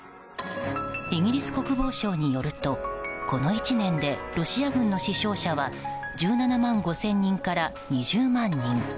イギリス国防省によるとこの１年でロシア軍の死傷者は１７万５０００人から２０万人。